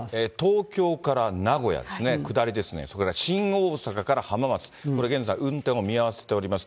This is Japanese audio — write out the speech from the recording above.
東京から名古屋ですね、下りですね、それから新大阪から浜松、これ現在、運転を見合わせております。